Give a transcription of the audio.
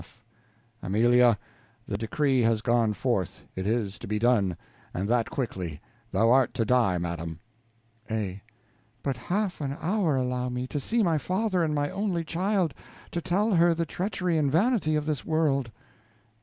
F. Amelia, the decree has gone forth, it is to be done, and that quickly; thou art to die, madam. A. But half an hour allow me, to see my father and my only child, to tell her the treachery and vanity of this world.